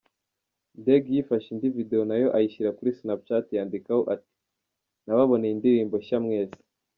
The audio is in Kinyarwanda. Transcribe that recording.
Deng yifashe indi video nayo ayishyira kuri Snapchat yandikaho ati “Nababoneye indirimbo nshya mwese…”.